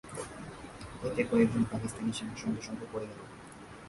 এতে কয়েকজন পাকিস্তানি সেনা সঙ্গে সঙ্গে পড়ে গেল।